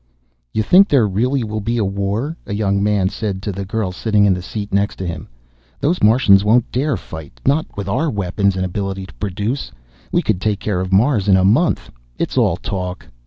"You think there really will be war?" A young man said to the girl sitting in the seat next to him. "Those Martians won't dare fight, not with our weapons and ability to produce. We could take care of Mars in a month. It's all talk."